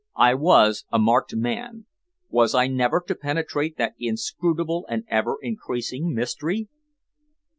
I was a marked man. Was I never to penetrate that inscrutable and ever increasing mystery?